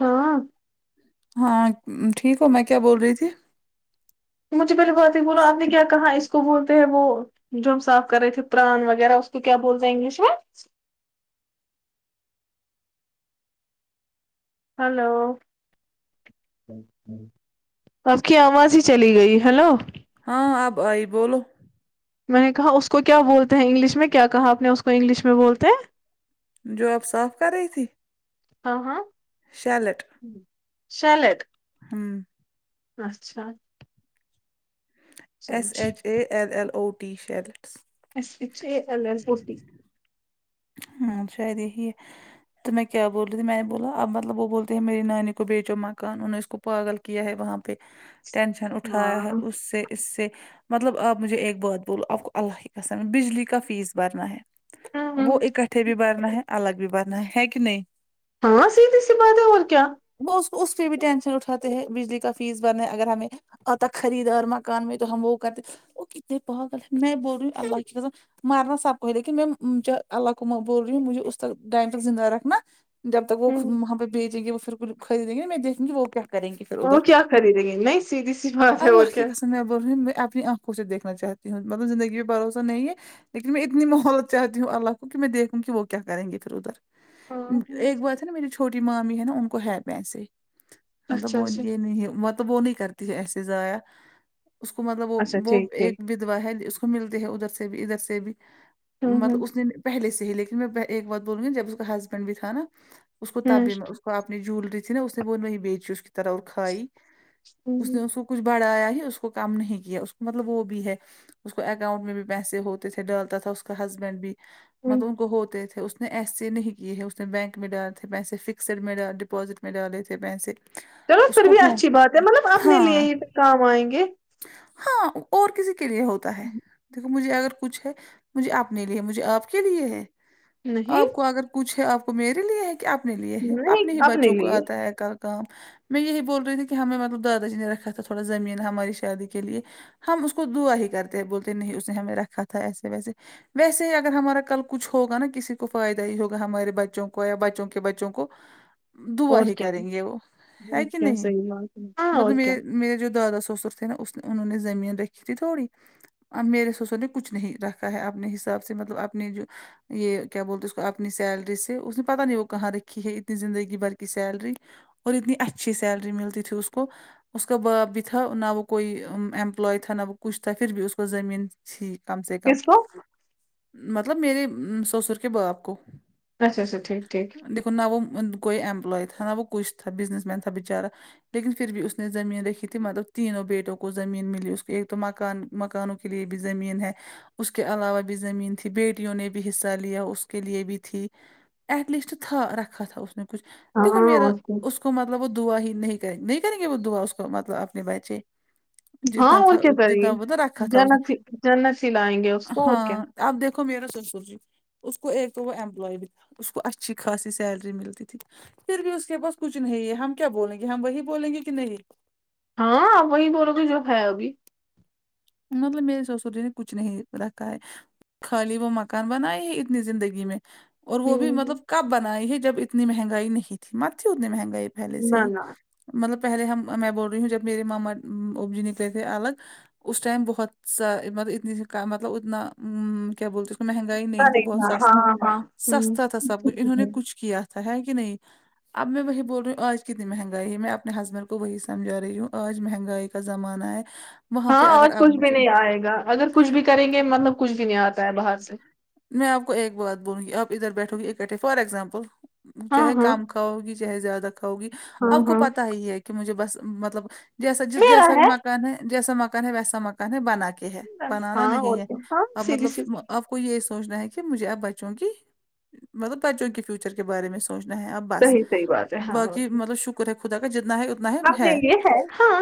ہاں ہاں ٹھیک ہو میں کیا بول رہی تھی مجھے پہلے بہت ہی بولا آپ نے کیا کہاں اس اس کو بولتے ہیں وہ جو ہم صاف کر رہے تھے پران وغیرہ اس کو کیا بولتے ہیں انگلش میں ہلو آپ کی آواز ہی چلی گئی ہلو ہاں اب آئی بولو میں نے کہا اس کو کیا بولتے ہیں انگلش میں کیا کہا آپ نے اس کو انگلش میں بولتے ہیں جو آپ صاف کر رہی تھی ہاں شیلٹ شلٹ ہمم اچھا ایس سمجھی H A L L O T shell S H A L L O T ہمم شاید یہی ہے تو میں کیا بول رہی تھی میں نے بولا اب مطلب وہ بولتے ہیں میری نانی کو بیچو مکان انہوں نے اس کو پاگل کیا ہے وہاں پہ ٹینشن اٹھایا ہے ہاں اس سے اس سے مطلب آپ مجھے ایک بات بولو آپ کو اللہ کی خصم بجلی کا فیس بھرنا ہے وہ ایک تھے بھی بارنا ہے الگ بھی بارنا ہے ہے کہ نہیں ہاں سیدھی سی بات ہے اور کیا وہ اس اس پہ بھی ٹینشن اٹھاتے ہیں بجلی کا فیس بنے اگر ہمیں اتا خریدار مکان میں تو ہم کر وہ کتنے پاگل ہے میں بول رہی ہ اللہ کی خصم مرنا سب کو لیکن میں اللہ میں بول رہی ہوں مجھے اس تک ٹائم زندہ رکھنا جب تک وہ وہاں پہ بھی بیچیں گے وہ پھر خریدیں گی میں دیکہونگی وہ کیا کریں گے پھر ادھر وہ کیا خریدیں گے نہیں سیدھی سی بات ہے اور اللہ کی کیا قسم میں بول رہ ہوں میں اپنی آنکھوں سے دیکھنا چاہتی ہوں مطلب زندگی میں بھروسہ نہیں ہے لیکن میں اتنی مہولت چاہتی ہوں الگ کہ میں دیکھوں گی وہ کیا کریں گے پھر ادھر ایک بات ہے نا میری چھو چھوٹی مامی ہے نا ان کو ہے پیسے مطلب اچھا وہ اچھا یہ نہیں وہ نہیں کرتی ہے ایسے ضایع اس کو مطلب وہ اچھا وہ ٹھیک ٹھیک ایک واحد اس کو ملتی ہے ادھر سے بھی ادھر سے بھی ہوں مطلب ہوں اس نے پہل سے ہی لیکن میں ایک بات بولوں گی جب اس کا ہسبینڈ بھی تھا نا اس کو تب ہوں بھی میں اس کو آپ اپنی جولری تھی نا اس نے وہ ن بیچ چوز کی طرھ اٹھائی اس نے ہوں کچھ بڑھایا ہی اس کو کم نہیں کیا اس مطلب وہ بھی ہے اس کو اکاؤنٹ میں بھی پیسے ہوتے تھے ڈالتا تھا اس کا ہسبینڈ بھی مطلب ان کو ہوتے تھے ایسے نہیں کیے ہے اس نے بینک میں ڈالے تھے پیسے فکسڈ میں ڈ ڈپوازٹ میں ڈالے تھے پیسے چلو اس پھر کو بھی ہو اچھی بات ہے مطلب اپنے لیے ہی کام آئیں گے ہاں اور کسی کے لیے ہوتا ہے مجھے اگر کچھ ہے مجھے اپنے لیے مجھے آپ کے لیے ہے نہیں آپ کو اگر کچھ ہے آپ کو میرے لیے ہے کہ اپنے لیے ہے نہیں اپنے ہی بچوں کو لیے آتا ہے کا کام میں یہی بول رہی تھی کہ ہمیں مطلب دادا جی نے رکھا تھا تھوڑا زمین ہماری شادی کے لیے ہم اس کو دعا ہی کرتے بولتے نہیں اس نے ہمیں رکھا تھا ایسے ویسے ویسے ہی اگر ہمارا کل کچھ ہوگا نا کسی کو فائدہ ہی ہوا ہمارے بچوں کو یا بچوں کے بچوں کو دعا اور ہی کیا کریں گے وہ ہے کہ کیا نہیں صحیح بات ہے ہاں اور مطلب کیا م میرے جو دادا سسرر تھ نا اس نے انہوں نے زمین رکھی تھی تھوڑی ا میرے سسر نے کچھ نہیں رکھا ہے اپنے حساب سے مطلب اپنی جو یہ کیا بولتے اس کو اپنی سیلری سے اس نے پتہ نہیں وہ کہاں رکھی ہے اتنی زندگی بھر کی سیلری اور اتنی اچھی سیلری ملتی تھی اس کو اس کا باپ بھی تھا نہ وہ کوئی امپلائے تھا نہ وہ کچھ تھا پھر بھی اس کو زمین جی کم سے کم کس کو مطلب میرے سسر کے باپ کو اچھا اچھا ٹھیک ٹھیک دیکو نہ وہ کوئی ایمپلائے تھا نہ وہ کھ تھا بزنس مین تھا بچارا لیکن پھر بھی اس نے زمین رکھی تھی مطلب تینوں بیٹوں کو زمین ملی اس کو ایک تو مکان مکانوں کے لیے بھی زمین ہے اس کے علاوہ بھی زمین تھی بیٹیوں نے بھی حصہ لیا اس کے لیے بھی تھی ایٹ لیسٹ تھا رکھا تھا اس نے کچھ دیکھو ہاں میرا اور کیا اس اس کو مطلب وہ دعا ہی نہیں کریں نہیں کریں گے وہ دعا اس کو مطلب اپنے بچے ہاں جدنا تھا اور کیا اتنا کریں گے دعوت رکھا تھا اس نے جنت جنت سے لائیں گے اس کو اور کیا ہاں آپ دیکھو میرا سسور جی اس کو ایک تو وہ امپلائی بھی تھا اس کو اچھی خاصی سیلری ملتی تھی پھر بھی اس کے پاس کچھ نہیں ہے ہم کیا بولیں گے ہم وہی بولیں گے کہ نہیں ہاں وہی بولوگی جو ہے ابھی مطلب میر ے سسرجی نے کچھ نہیں رکھا ہے خالی وہ مکان بنائے ہی اتنی زندگی میں اور وہ بھی ہوں مطلب کب بنائی ہے جب اتنی مہنگائی نہیں تھی مت تھی اتنی مہنگائی پہلے سے نہ ہی نہ مطلب پہلے ہم میں بول رہی ہوں جب میرے ماما ابج نہیں پے تھے الگ اس ٹائم بہت ساطلب اتنی مطلب اتنا کیا بولتے مہنگائی نہیں تھی بہت س ہاں ہاں ہوں سستا تھا سب کچھ انہوں نے کچھ کیا تھا ہے کہ نہیں اب میں وہی بول رہی ہوں آج کتنی مہنگائی ہے میں اپنے ہسبینڈ کو وہی سمجھ رہی ہوں آج مہنگائی کا زمانہ ہے وہاں ہاں پہ اگر آج آپ کچھ بھی مجھے نہیں آئے گا اگر کچھ بھی کریں گے مطلب کچھ بھی نہیں آتا ہے باہر سے میں آپ کو ایک بات بولوں گی آپ ادھر بیٹھو گی اکٹھے فار ایگزامپل ہاں چاہے ہاں کم کا ہوگی چاہے زیادہ کھا وگی ہاں آب کو ہاں پتا ہی ہے کہ مجھے بس مطلب جیسا جس جیسا بھی مکان ہے جیسا مکان ہے ویسا مکان ہے بنا کے ہے بنانا ہاں نہیں ہے ہوتے ہاں اب سیدھی مطلب سی آپ کو یہ سوچنا ہے کہ مجھے آپ بچوں کی مطلب بچوں کے فیوچر کے بارے میں سوچنا ہے اب بس صحیح صحیح بات ہے ہاں باقی مطلب شک خدا کا جتنا ہے اتنا ہے اپنے ہے لیے ہاں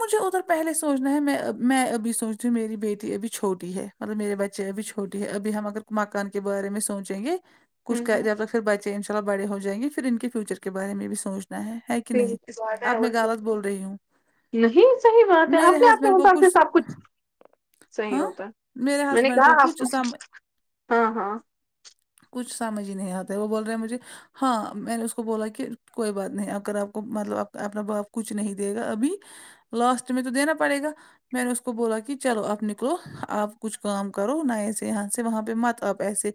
مجھے ادھر پہلے سوچنا ہے میں میں ابھی سوچتی ہوں میری بیٹی ابھی چھوٹی ہے مطلب میرے بچے ابھی چھوٹی ہے اب ہم اگر مکان کے بارے میں سوچیں گے کچھ کہہ دیا تو پھر انشاء اللہ بڑے ہو جائیں گے پھر ان کے فیوچر کے بارے بھی سوچنا ہے کہ کہ نہیں اب میں غلط بول رہی ہوں یہ ہی صحیح بات ہے میرے اپنے آپ کے ہسبینڈ کو مطابق سب کچھ صحیح ہاں ہوتا میرے میں نے ہسبینڈ کو کہا آپ کچھ سم ہاں ہاں کچھ سمجھ ہی نہیں آتا ہے وہ بول رہے ہیں مجھے ہاں میں نے اس کو بولا کہ کوئی بات نہیں اگر آپ کو مطلب اپنا باپ کچھ نہیں دے گا ابھی لاسٹ میں تو دینا پڑے گا میں نے اس کو بولا کہ چلو آپ نکلو آپ کچھ کام کرو نہ ایسے یہاں سے وہاں پہ مت آپ ایسے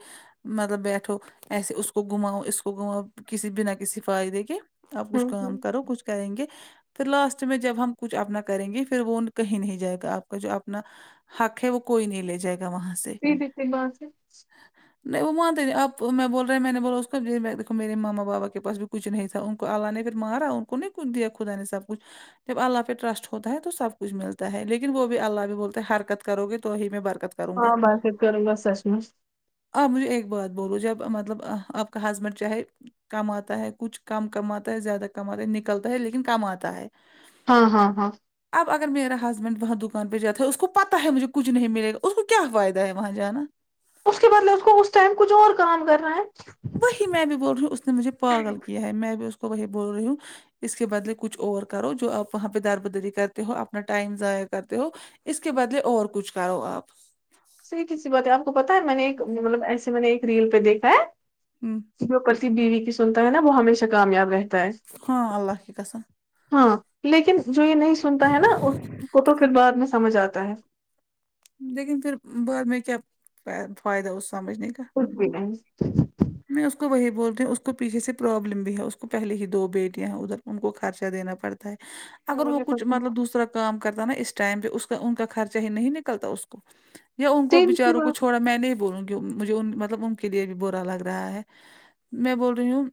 مطلب بیٹھو ایسے اس کو گھماؤ اس کو گھماؤ کسی بنا کسی فائدے کے آپ کچھ کام کرو کچھ کریں گے پھر لاسٹ میں جب ہم کچھ اپنا کریں گے پھر وہ کہیں نہیں جائے گا آپ کا جو اپنا حق ہے وہ کوئی نہیں لے جائے گا وہاں سے [unintelligible] نہیں وہ مانتے نہیں آپ میں بول رہے ہیں میں نے بولا اس کا دیکو میرے ماما بابا کے پاس بھی کچھ نہیں تھا ان اللہ نے اگر مارا ان کو نہیں خود دیا خدا نے سب کچھ جب اللہ پہ ٹرسٹ ہوتا ہے تو سب کچھ ملتا ہے لیکن وہ بھی اللہ بھی بولتے ہیں حرکت کرو گے تو ہی میں برکت کروں گا ہاں برکت کروں گا سچ میں آپ مجھے ایک بات بولو جب مطلب آپ کا ہسبینڈ چاہے کماتا ہے کچھ کم کماتا ہے زیادہ کماتاہے نکلتا ہے لیکن کماتاہے ہاں ہاں ہاں اب اگر میرا ہسبینڈ وہاں دکان پہ جاتا ہے اس کو پتا ہے مجھے کچھ نہیں ملے گا اس کو کیا فائدہ ہے وہاں جانا اس کے بدلے اس کو اس ٹائم کچھ اور کام کرنا ہے وہی میں بھی بول رہی ہوں اس نے مجھے پاگل کیا ہے میں بھی اس کو وہی بول رہی ہوں اس کے بدلے کچھ اور کرو جو آپ وہاں پہ دار بدری کرتے ہو اپنا ٹائم ضائع کرتے ہو اس کے بدلے اور کچھ کرو آپ صحیح کسی بات ہے آپ کو پتا ہے میں نے ایک مطلب ایسے میں نے ایک ریل پہ دیکھا ہے ہمم جو پتی بیوی کی سنتا ہے نا وہ ہمیشہ کامیاب رہتا ہے ہاں اللہ کی قسم ہاں لیکن جو یہ نہیں سنتا ہے نا اس کو تو پھر بعد میں سمجھ آتا ہے لیکن پھر بعد میں کیا فائدہ اس سمجھنے کا کچھ بھی نہیں میں اس کو وہی بولتی ہوں اس کو پیچیسے سے پروابلم بھی ہے اس کو پہلے ہی دو بیٹیاں ہیں ادھر ان کو خرچہ دینا پڑتا ہاں، اگر وہ مجھے کچھ پتا مطلب دوسرا کام کرتا نا اس ٹائم پے اس کا ان کا خرچہ ہی نہیں نکلتا اس کو یا ان کو سیم سی بچاروں کو بات، چھوڑا میں نہیں بولوں گی مجھے مطلب ان کے لیے بھی برا لگ رہا ہے میں بول رہی ہوں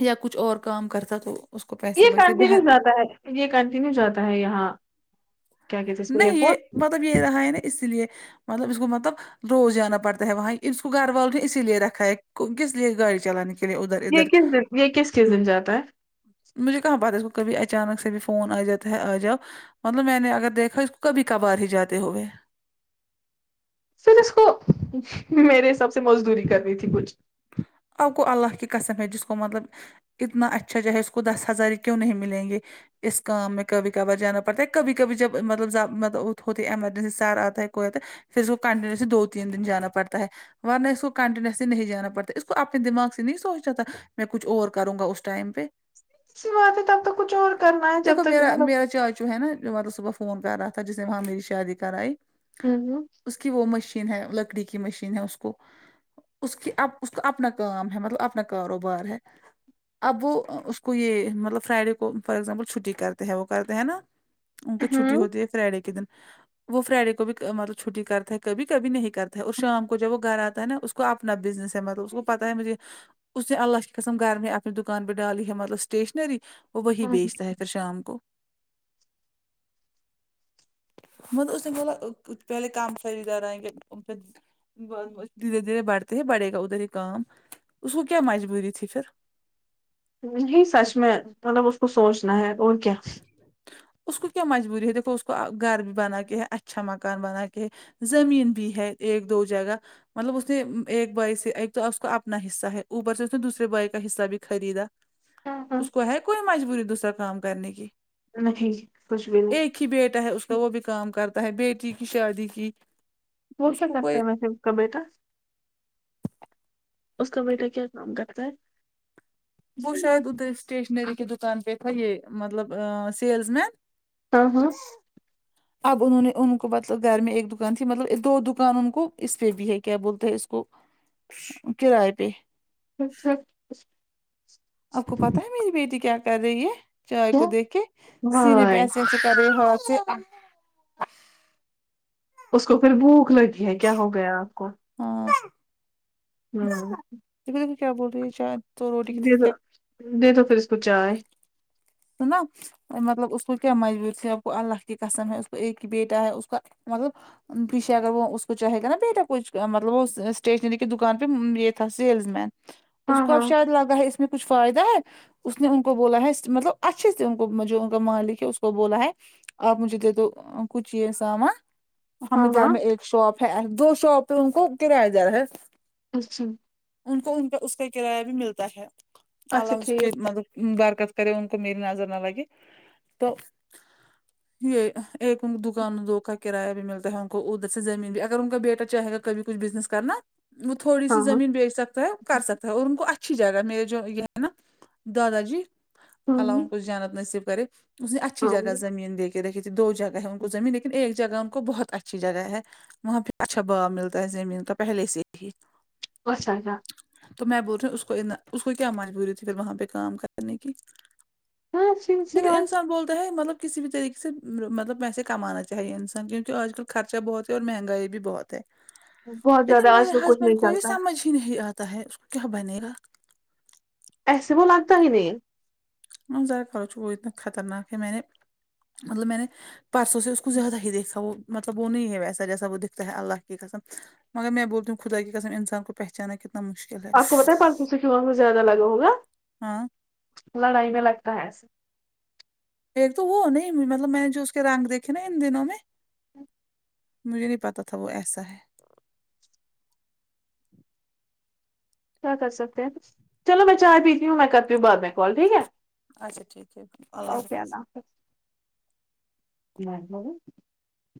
یا کچھ اور کام کرتا تو اس کو پیسے یہ بچتے کنٹینیو بہن جاتا ہے یہ کنٹینیو جاتا ہے یہاں کیا کہتے ہیں اس کو نہیں یہ ایئرپورٹ مطلب یہ رہا ہے نا اسی لیے مطلب اس کو مطلب روز جانا پڑتا ہے وہاں اس کو گھر والوں نے اسی لیے رکھا ہے کس لیے گاڑی چلانے کی یہ کس دن یہ کس کس دن جاتا ہے مجھے کہاں پتہ ہے اس کو کبھی اچانک سے بھی فون آ جاتا ہے آ جا مطلب میں نے اگر دیکھا اس کو کبھی کبھار ہی جاتے ہوئے پھر اس کو میرے حساب سے مزدوری کرنی تھی کچھ آپ کو اللہ کی قسم ہے جس کو مطلب اتنا اچھا جو ہے اس کو دس ہزار کیوں نہیں ملیں گے اس کا میں کبھی کبھار جانا پڑتا ہے کبھی کبھی جب مطلب مطلب ہوتی ہے ایمرجنسی سر آتا ہے کوئی آتا پھر اس کو کنٹینیوسلی دو تین دن جانا پڑتا ہے ورنہ اس کو کنٹینیوسلی نہیں جانا پڑتا اس کو اپنے دماغ سے نہیں سوچتا تھا میں کچھ اور کروں گا اس ٹائم پہ اسی بات ہے تب تک کچھ اور کرنا ہے جب تک مطلب جو ہے نا جو مطلب صبح فون کر رہا تھا جس نے وہاں میری شادی کرائی ہاں نہ اس کی وہ مشین ہے لکڑی کی مشین ہے اس کو اس کی اب اس کا اپنا کام ہے مطلب اپنا کاروبار ہے اب وہ اس کو یہ مطلب فرائیڈے کو فار ایزامپل چھٹی کرتے ہیں وہ کرتے ہیں نا ان کو چھٹی ہوں ہوتی ہے فرائیڈے کے دن وہ فرائیڈے کو بھی مطلب چھٹی کرتا ہے کبھی کبھی نہیں کرتا ہے اور شام کو جب وہ گھر آتا ہے نا اس کو اپنا بزنس مطلب اس کو پتہ ہے مجھے اس نے اللہ کی قسم گھر میں اپنی دکان پہ ڈالی ہے مطلب اسٹیشنری وہ وہی ہوں بیچتا ہے پھر شام کو مطلب اس نے بولا پہلے کام خریدار ائیں گے ب دھیرے دھیرے بڑھتے ہی بڑھے گا ادھر ہی کام اس کو کیا مجبوری تھی پھر نہیں سچ میں مطلب اس کو سوچنا ہے اور کیا اس کو کیا مجبوری ہے دیکھو اس کو گھر بھی بنا کے ہے اچھا مکان بنا کے ہے زمین بھی ہے ایک دو جگہ مطلب اس نے ایک بھائی سے ایک تو اس کو اپنا حصہ ہے اوپر سے اس نے دوسرے بھائی کا حصہ بھی خریدا ہاں ہاں اس کو ہے کوئی مجبوری دوسرا کام کرنے کی نہیں کچھ بھی نہیں ایک ہی بیٹا ہے اس کا وہ بھی کام کرتا ہے بیٹی کی شادی کی وہ اس کیا کو کرتا کوئی ہے ویسے اس کا بیٹا اس کا بیٹا کیا کام کرتا ہے وہ ہاں شاید ادر اسٹیشنری کے دکان پےتھا یہ مطلب سیلز مین ہاں ہاں ج اب انہوں نے ان کو مطلب گھر میں ایک دکان تھی مطلب دو دکان ان کو اس پہ بھی ہے کیا بولتا ہے اس کو کرائے پہ اچھا آپ کو پتاہ ہے میری بیٹی کیا کر رہی ہے چائے کو دیک کے سینے ہائے پےایسے ایسے کرے ہات سے اس کو پھر بھوک لگی ہے کیا ہو گیا آپ کو ہاں ہوں د دل ھی کیا بول رہی ہے شاید دے دو دے دو پھر اس کو چائے تو نا مطلب اس کو کیا مجبوری تھی اب کو اللہ کی قسم ہے اس کو ایک ہی بیٹا ہے اس کا مطلب پیچھے اگر وہ اس کو چاہے گا نا بیٹا کچھ مطلب وہ اسٹیشنری کی دکان پہ یہ تھا سیلز مین ہاں اس کو اب ہاں شاید لگا ہے اس میں کچھ فائدہ ہے اس نے ہم کو بولا ہے مطلب اچھے سے ان کو جو ان کا مالک ہے اس کو بولا ہے آپ مجھے دے دو کچھ یہ سامان ہاں ہمارے گھر ہاں میں ایک شاپ ہے دو شاپ ان کو کرایہ دار ہے اچھا ان کو ان کا اس کا کرایہ بھی ملتا ہے اللہ اچھا اس کے ٹھیک مطلب برکت کرے کوہ میری نظر نہ لگے تو یہ ایک دکان دو کا کرایہ بھی ملتا ہے ان کو ادھر سے زمین بھی اگر ان کا بیٹا چاہےا کبھی کچھ بزنس کرنا وہ تھوڑی سی ہاں ہاں زمین بیچ سکتا ہے کر سکتا ہے اور ان کو اچھی جگہ میرے جو یہ ہے نا دادا جی الله ہوں ان کو جانت نصیب کرے اس نے اچھی ہاں جگہ زمین دے کے رکھی تھی دو جگہ ہے ان کو زمین لیکن ایک جگہ ان کو بہت اچھی جگہ ہے وہاں پہ اچھا باؤ ملتا ہے زمین تو پہلے سے تھی [unintelligible] تو میں بول رہی ہوں اس کو اس کو کیا مجبوری تھی پھر وہاں پہ کام کرنے کی ہاں سی سی لیکن بات انسان بول ہے مطلب کسی بھی طریقے سے مطلب پیسے کمانا چاہیے انسان کیونکہ آج کل خرچہ بہت اور مہنگائی بھی بہت ہے بہت زیادہ لیکن آج میرے کل کچھ ہسبینڈ نہیں کو یہ چلتا سمجھ نہیں آتا ہے اس کو کیا بنے گا ایسی وہ لگتا ہی نہیں ہ ذرا کروچ وہ اتنا خطرناک ہے میں نے مطلب میں نے پرسوں سے اس کو زیادہ ہی دیکھا وہ مطلب وہ نہیں ہے ویسا جیسا وہ دکھتا ہے اللہ کی قسم مگر میں بولتا ہوں خدا کے قسم انسان کو پہچانا کتنا مشکل ہے آپ کو پاتھ پچ سو سے کیوں میں زیادہ لگا ہوگا ہاں لڑائی میں لگتا ہے ایسے پھر تو وہ ہو نہیں مطلب میں نے جو اس کے رانگ دیکھے نا ان دنوں میں مجھے نہیں پتہ تھا وہ ایسا ہے کیا کر سکتے ہیں چلو میں چائے پیتی ہوں میں کرتی ہوں بعد میں کال ٹھیک ہے اچا ٹھیک ہے اللہ اوکے حافظ مئی بہو